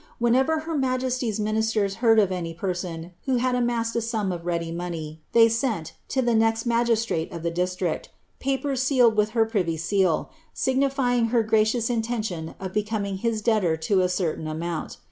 Whenever her majesty's ministers heard of any person who had amassed a sum of ready money, they sent, to the next magistrate of the district, papers sealed with her privy seal, signifying her gracious intention of becoming his debtor to a certain amount.'